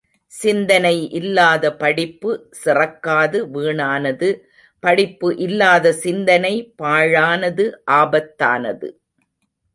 சிந்தனை இல்லாத படிப்பு சிறக்காது வீணானது படிப்பு இல்லாத சிந்தனை பாழானது ஆபத்தானது!